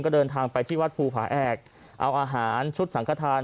ก็เดินทางไปที่วัดภูผาแอกเอาอาหารชุดสังขทาน